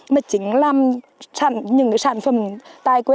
mà chính là những sản phẩm tài quê